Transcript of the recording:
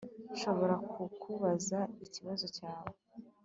Nshobora kukubaza ikibazo cyawe